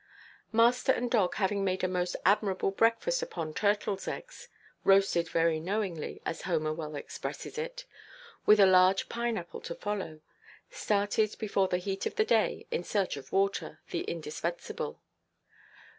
Master and dog having made a most admirable breakfast upon turtles' eggs, "roasted very knowingly"—as Homer well expresses it—with a large pineapple to follow, started, before the heat of the day, in search of water, the indispensable.